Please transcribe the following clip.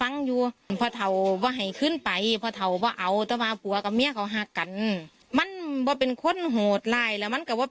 นี่คือเทียละ